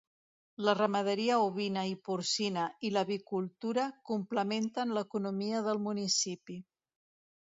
La ramaderia ovina i porcina i l'avicultura complementen l'economia del municipi.